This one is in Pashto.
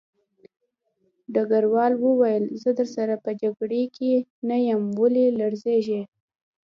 ډګروال وویل زه درسره په جګړه کې نه یم ولې لړزېږې